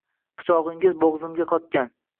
Pichogʻingiz boʻgʻzimda qotgan